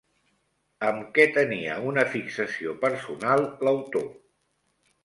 Amb què tenia una fixació personal l'autor?